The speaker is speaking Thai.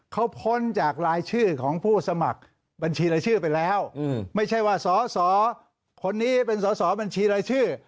เขาพ้นจากรายชื่อของผู้สมัครบัญชีรายชื่อไปแล้วไม่ใช่ว่าสอสอคนนี้เป็นสอสอบัญชีรายชื่อ